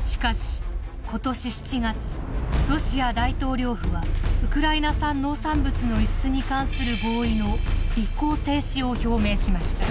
しかし今年７月ロシア大統領府はウクライナ産農産物の輸出に関する合意の履行停止を表明しました。